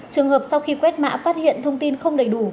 trường hợp sau khi quét mã phát hiện thông tin không đầy đủ